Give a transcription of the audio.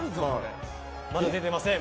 まだ出てません。